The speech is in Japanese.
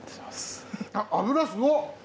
脂すごっ！